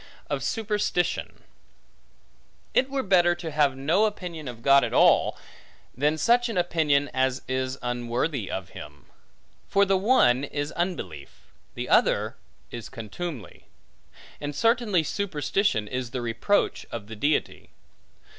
Of Superstition IT WERE better to have no opinion of God at all, than such an opinion, as is unworthy of him. For the one is unbelief, the other is contumely; and certainly superstition is the reproach of the Deity.